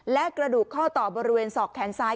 และกระดูกข้อต่อบริเวณศอกแขนซ้าย